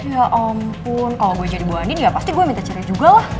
ya ampun kalo gue jadi bu andin ya pasti gue minta cerai juga lah